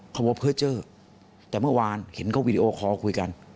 เขาบอกว่าเพื่อเจอแต่เมื่อวานเห็นเขาก็วิดีโอคอล้อคุยกัน